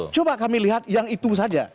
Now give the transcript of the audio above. coba kami lihat yang itu saja